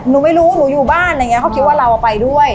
หนูไม่รู้หนูอยู่บ้านอะไรอย่างเงี้เขาคิดว่าเราไปด้วย